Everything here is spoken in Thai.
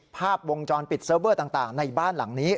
ภาพวงจรปิดเซิร์ฟเวอร์ต่างในบ้านหลังนี้